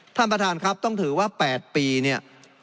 ท่านประธานครับต้องถือว่า๘ปีเนี่ย